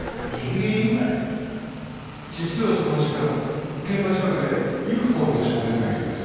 実はその時間現場近くでＵＦＯを見た少年がいるんです。